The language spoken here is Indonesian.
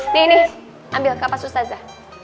nih nih ambil kapas usazah